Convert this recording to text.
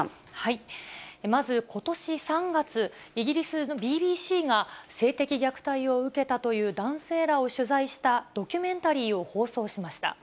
まず、ことし３月、イギリスＢＢＣが性的虐待を受けたという男性らを取材したドキュメンタリーを放送しました。